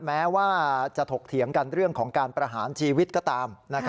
แม้ว่าจะถกเถียงกันเรื่องของการประหารชีวิตก็ตาม